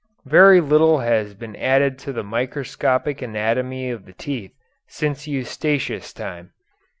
Very little has been added to the microscopic anatomy of the teeth since Eustachius' time.